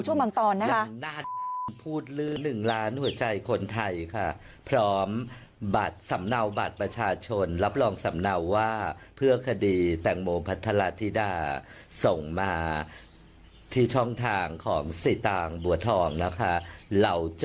คุณผู้ชมอยากให้ดูบรรยากาศบางช่วงบางตอนนะคะ